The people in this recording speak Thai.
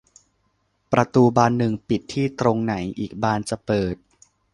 ประตูบานหนึ่งปิดที่ตรงไหน อีกบานจะเปิด